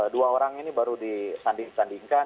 dua orang ini baru disanding sandingkan